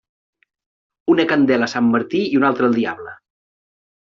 Una candela a Sant Martí i una altra al diable.